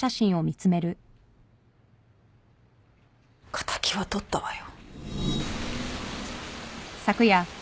敵はとったわよ。